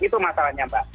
itu masalahnya mbak